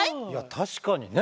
確かにね。